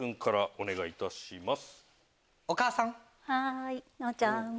お願いいたします。